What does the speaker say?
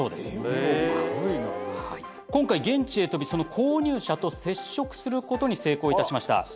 今回現地へ飛びその購入者と接触することに成功いたしました。